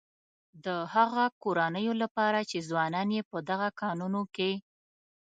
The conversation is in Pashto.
د هغه کورنيو لپاره چې ځوانان يې په دغه کانونو کې.